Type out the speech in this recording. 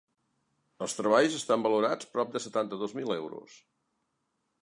Els treballs estan valorats prop de setanta-dos mil euros.